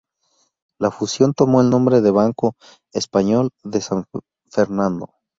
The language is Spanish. La fusión tomó el nombre de Banco Español de San Fernando.